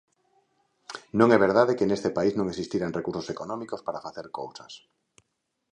Non é verdade que neste país non existiran recursos económicos para facer cousas.